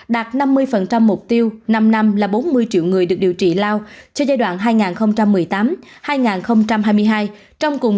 đạt năm mươi mục tiêu năm năm là bốn mươi triệu người được điều trị lao cho giai đoạn hai nghìn một mươi tám hai nghìn hai mươi hai